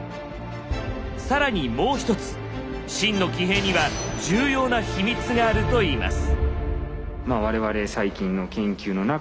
更にもう一つ秦の騎兵には重要なヒミツがあるといいます。